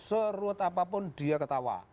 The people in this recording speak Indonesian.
seruat apapun dia ketawa